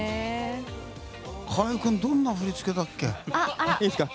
河合君どんな振り付けだっけ。